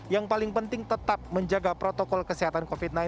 yang paling penting tetap menjaga protokol kesehatan covid sembilan belas